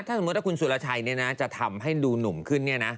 ถ้าสมมุติว่าคุณสุรชัยจะทำให้ดูหนุ่มขึ้นเนี่ยนะ